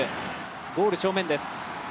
ゴール正面です。